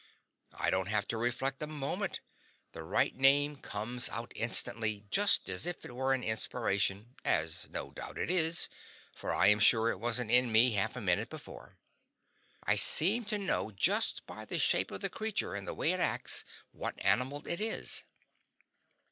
I don't have to reflect a moment; the right name comes out instantly, just as if it were an inspiration, as no doubt it is, for I am sure it wasn't in me half a minute before. I seem to know just by the shape of the creature and the way it acts what animal it is.